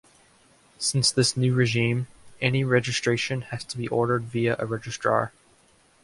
Since this new regime, any registration has to be ordered via a registrar.